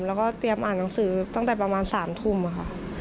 แล้วก็เตรียมอ่านหนังสือตั้งแต่ประมาณ๓ทุ่มค่ะ